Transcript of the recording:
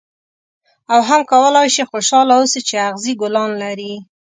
او هم کولای شې خوشاله اوسې چې اغزي ګلان لري.